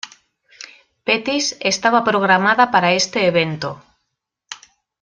Pettis, estaba programada para este evento.